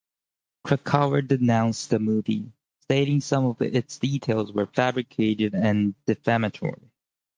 Krakauer denounced the movie, stating some of its details were fabricated and defamatory.